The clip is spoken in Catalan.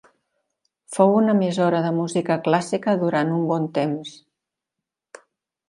Fou una emissora de música clàssica durant un bon temps.